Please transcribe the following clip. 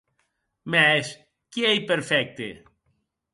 Mès, qui ei perfècte?